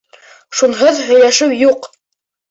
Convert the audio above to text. Шунһыҙ һөйләшеү юҡ!